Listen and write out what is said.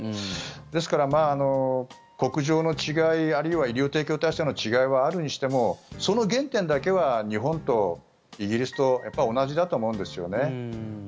ですから、国情の違いあるいは医療提供体制の違いはあるにしてもその原点だけは日本とイギリスとやっぱり同じだと思うんですよね。